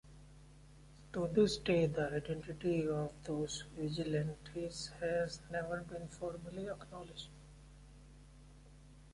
To this day the identity of those vigilantes has never been formally acknowledged.